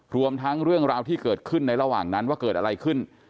รวมทั้งเรื่องราวที่เกิดขึ้นในระหว่างนั้นว่าเกิดอะไรขึ้น